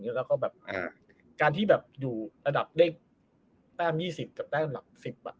แล้วก็แบบอ่าการที่แบบอยู่ระดับได้แป้มยี่สิบกับแป้มหลักสิบอ่ะ